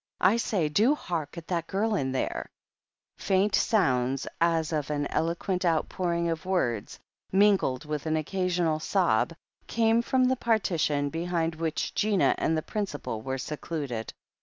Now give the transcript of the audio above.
I say, do hark at that girl in there !" Faint sounds, as of an eloquent outpouring of words mingled with an occasional sob, came from the parti tion behind which Gina and the principal were secluded.